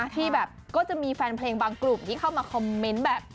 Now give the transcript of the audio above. ที่แบบก็จะมีแฟนเพลงบางกลุ่มที่เข้ามาคอมเมนต์แบบ